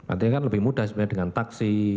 artinya kan lebih mudah sebenarnya dengan taksi